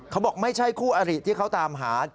เขาบอกไม่ใช่คู่อริที่เขาตามหา